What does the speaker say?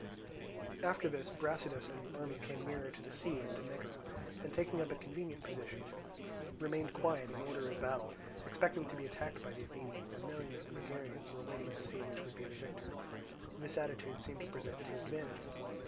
After this Brasidas and the army came nearer to the sea and to Megara, and taking up a convenient position, remained quiet in order of battle, expecting to be attacked by the Athenians and knowing that the Megarians were waiting to see which would be the victor. This attitude seemed to present two advantages.